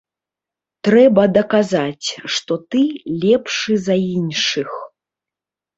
Трэба даказаць, што ты лепшы за іншых.